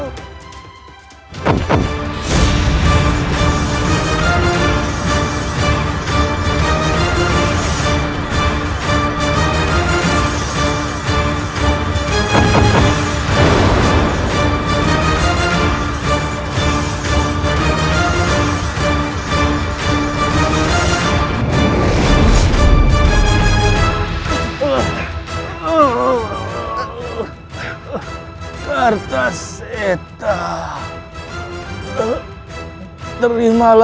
dan apa sendiri